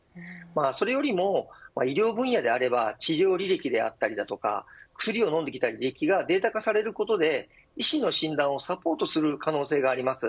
それよりも医療分野であれば治療履歴だったり薬を飲んできた履歴がデータ化をされることで医師の診断をサポートする可能性があります。